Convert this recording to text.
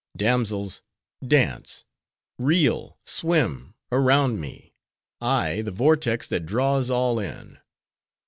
Damsels! dance; reel, swim, around me:—I, the vortex that draws all in.